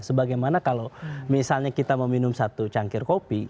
sebagaimana kalau misalnya kita meminum satu cangkir kopi